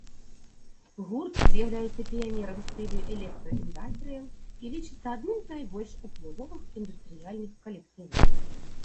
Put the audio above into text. Гурт з'яўляецца піянерам стылю электра-індастрыял і лічыцца адным з найбольш уплывовых індустрыяльных калектываў.